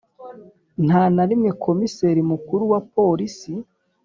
Nta na rimwe Komiseri Mukuru wa Polisi